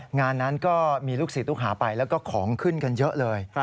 งานนั้นก็มีลูกศิษย์ลูกหาไปแล้วก็ของขึ้นกันเยอะเลย